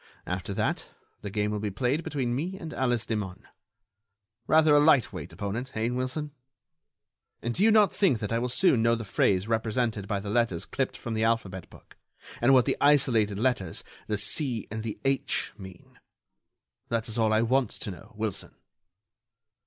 After that the game will be played between me and Alice Demun. Rather a light weight opponent, hein, Wilson? And do you not think that I will soon know the phrase represented by the letters clipped from the alphabet book, and what the isolated letters—the 'C' and the 'H'—mean? That is all I want to know, Wilson."